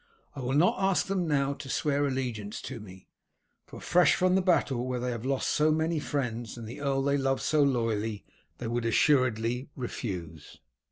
I will not ask them now to swear allegiance to me, for fresh from the battle where they have lost so many friends and the earl they loved so loyally, they would assuredly refuse."